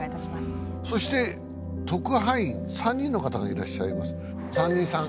そして特派員３人の方がいらっしゃいます三人さん